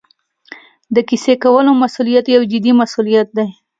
د کیسې کولو مسوولیت یو جدي مسوولیت دی.